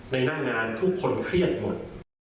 หน้างานทุกคนเครียดหมด